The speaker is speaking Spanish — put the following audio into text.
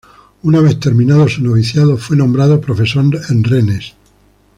Una vez terminado su noviciado, fue nombrado profesor en Rennes.